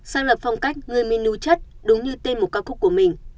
sáng lập phong cách người minh nu chất đúng như tên một ca khúc của mình